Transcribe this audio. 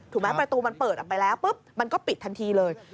ประตูมันเปิดออกไปแล้วปุ๊บมันก็ปิดทันทีเลย